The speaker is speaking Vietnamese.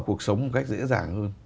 cuộc sống một cách dễ dàng hơn